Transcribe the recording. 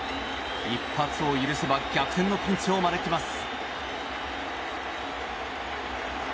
一発を許せば逆転のピンチを招きます。